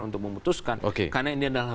untuk memutuskan karena ini adalah